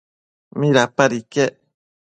¿midapad iquec?